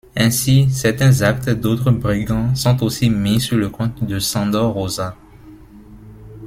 Ainsi, certains actes d'autres brigands sont aussi mis sur le compte de Sándor Rózsa.